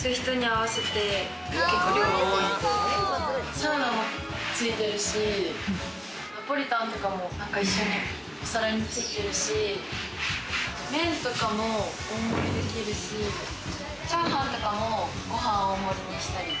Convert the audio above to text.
サラダも付いてるし、ナポリタンとかも一緒にお皿についてるし、麺とかも大盛りにできるし、チャーハンとかも、ご飯大盛りにしたり。